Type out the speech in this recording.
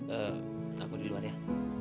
eh takut di luar ya